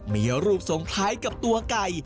มีรูปทรงแปลกกับตัวไก่